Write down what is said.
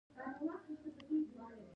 ایکوسیسټم د ژویو او چاپیریال اړیکه ده